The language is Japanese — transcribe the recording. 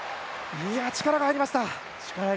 力が入りました。